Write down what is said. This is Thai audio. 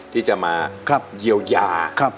ที่จะมาเยียวยา